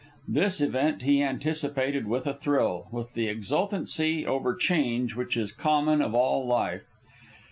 This event he anticipated with a thrill, with the exultancy over change which is common of all life.